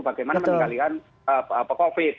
bagaimana mengendalikan covid